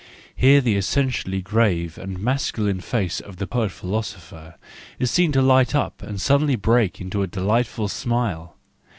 Here the essentially grave and masculine face of the poet philosopher is seen to light up and suddenly break into a delightful smile.